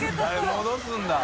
戻すんだ